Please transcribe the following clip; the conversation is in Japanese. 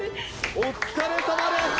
お疲れさまです！